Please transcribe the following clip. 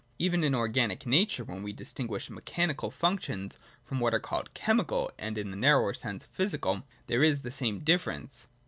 Even in organic nature when we distinguish mechanical functions from what are called chemical, and in the narrower sense, physical, there is the same difference.